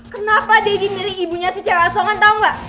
kenapa daddy milih ibunya si cewek asongan tau gak